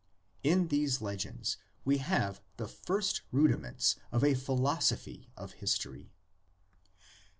In these legends we have the first rudiments of a philosophy of history.